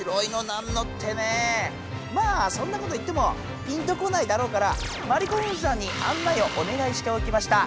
まあそんなこと言ってもピンとこないだろうからまりこふんさんにあんないをおねがいしておきました。